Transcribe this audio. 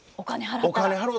お金払ったら。